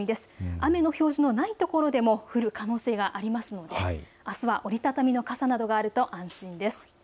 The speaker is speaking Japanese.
雨の表示のないところでも降る可能性がありますのであすは折り畳みの傘などがあると安心です。